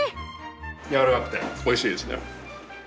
やわらかくておいしいですね。